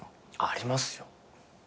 ありますよ。